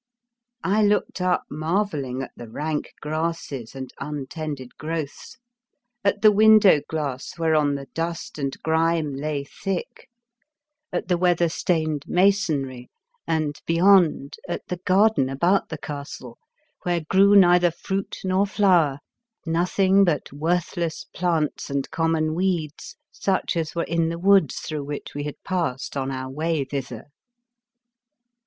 I looked up, marvelling, at the rank grasses and untended growths, at the 25 The Fearsome Island window glass whereon the dust and grime lay thick, at the weather stained masonry, and beyond,, at the garden about the castle, where grew neither fruit nor flower, nothing but worthless plants and common weeds such as were in the woods through which we had passed on our way thither.